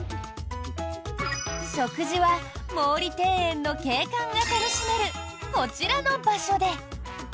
食事は毛利庭園の景観が楽しめるこちらの場所で。